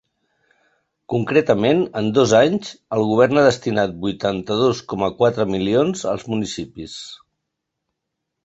Concretament, en dos anys el govern ha destinat vuitanta-dos coma quatre milions als municipis.